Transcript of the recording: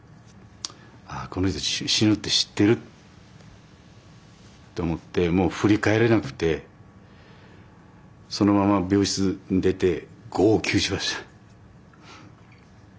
ああこの人死ぬって知ってると思ってもう振り返れなくてそのまま病室出て号泣しました。